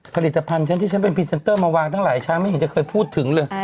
ผลิตภัณฑ์ฉันที่ฉันเป็นพรีเซนเตอร์มาวางตั้งหลายชั้นไม่เห็นจะเคยพูดถึงเลย